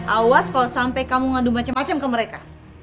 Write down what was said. awas kalau sampai kamu ngandung macam macam ke mereka